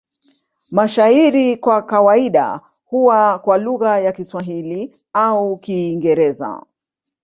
Mashairi kwa kawaida huwa kwa lugha ya Kiswahili au Kiingereza.